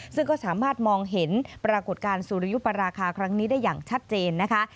ซึ่งก็สามารถมองเห็นปรากฏการณ์สุริยุปราคาครั้งนี้ได้อย่างชัดเจนนะคะ